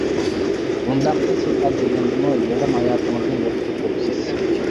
-ئۇنداقتا سىز ئاز دېگەندىمۇ يېرىم ھاياتىڭىزنى يوقىتىپ بوپسىز.